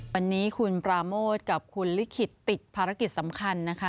วันนี้คุณปราโมทกับคุณลิขิตติดภารกิจสำคัญนะคะ